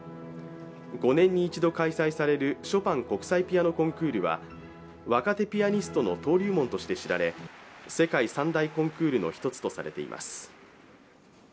５年に一度開催されるショパン国際ピアノコンクールは若手ピアニストの登竜門として知られ、世界三大コンクールの一つとされています。